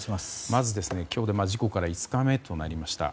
まず、今日で事故から５日目となりました。